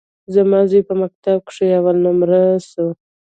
زما زوى په مکتب کښي اول نؤمره سو.